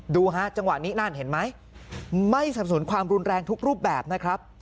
ดูฮะจังหวะนี้นั่นเห็นไหมไม่สับสนุนความรุนแรงทุกรูปแบบนะครับ